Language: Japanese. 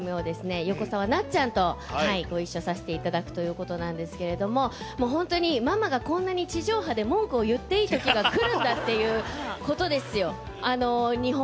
横澤なっちゃんとご一緒させて頂くという事なんですけれどももうホントにママがこんなに地上波で文句を言っていい時が来るんだっていう事ですよ。